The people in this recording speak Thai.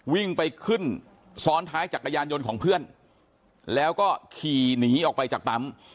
วิ่งไปขึ้นซ้อนท้ายจักรยานยนต์ของเพื่อนแล้วก็ขี่หนีออกไปจากปั๊ม